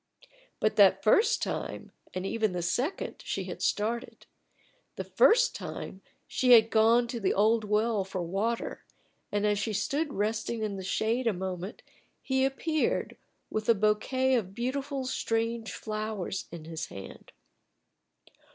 But that first time, and even the second, she had started. The first time she had gone to the old well for water, and as she stood resting in the shade a moment he appeared With a bouquet of beautiful strange flowers in his hand.